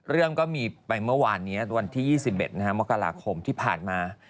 ก็มีไปเมื่อวานนี้วันที่๒๑มกราคมที่ผ่านมา